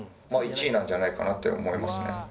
まあ１位なんじゃないかなって思いますね。